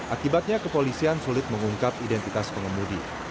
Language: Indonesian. akibatnya kepolisian sulit mengungkap identitas pengemudi